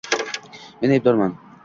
Men aybdorman.